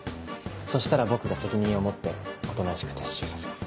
そしたら僕が責任を持っておとなしく撤収させます。